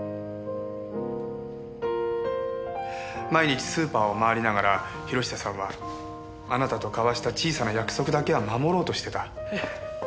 毎日スーパーを回りながら博久さんはあなたと交わした小さな約束だけは守ろうとしてた。